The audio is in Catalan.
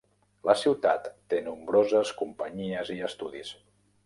La ciutat té nombroses companyies i estudis.